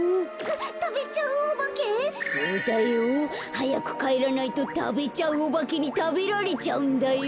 はやくかえらないとたべちゃうおばけにたべられちゃうんだよ。